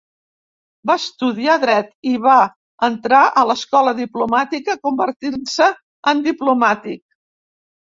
Va estudiar dret i va entrar a l'Escola Diplomàtica convertint-se en diplomàtic.